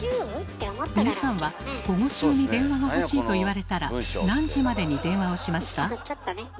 皆さんは午後中に電話が欲しいと言われたら何時までに電話をしますか？